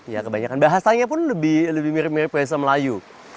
ya kebanyakan bahasanya pun lebih mirip mirip bahasa melayu